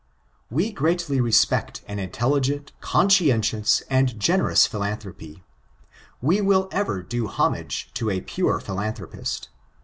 We greatly respect an intelligent, conscientious, and generous philanthropy. We will ever do homage to a pure philanthropist.